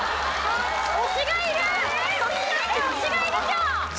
推しがいる！